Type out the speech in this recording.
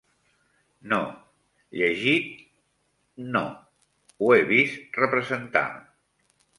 No, llegit… no. Ho he vist representar